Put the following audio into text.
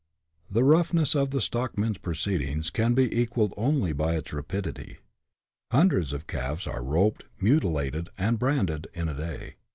The roughness of the stockmen's proceedings can be equalled only by its rapidity — hundreds of calves are roped, muti lated, and branded in a day.